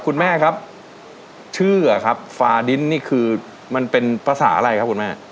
คุณแม่ครับชื่อครับฟาดินนี่คือมันเป็นภาษาอะไรครับคุณแม่